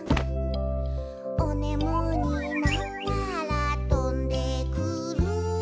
「おねむになったらとんでくる」